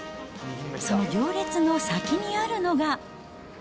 その行列の先にあるのが。